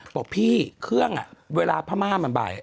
บอกพี่เครื่องเวลาพม่ามันบ่าย